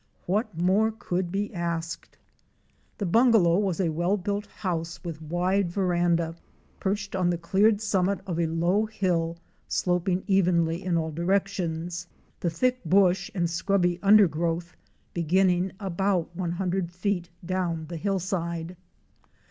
What more could be asked ? The bungalow was a well built house with wide veranda, perched on the cleared summit of a low hill sloping evenly in all directions; the thick bush and shrubby under growth beginning about one hundred feet down the hillside.